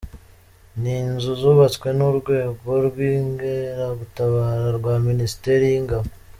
Ni inzu zubatswe n’urwego rw’Inkeragutabara rwa Minisiteri y’ingabo.